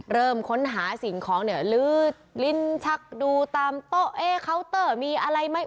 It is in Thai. เริ่มค้นหาสิ่งของเนี่ยลื้อลิ้นชักดูตามโต๊ะเอ๊เคาน์เตอร์มีอะไรไหม